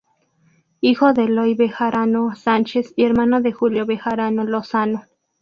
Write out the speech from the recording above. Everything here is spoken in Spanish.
Hijo de Eloy Bejarano Sánchez y hermano de Julio Bejarano Lozano.